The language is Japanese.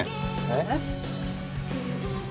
えっ？